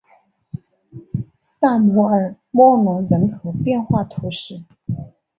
大穆尔默隆人口变化图示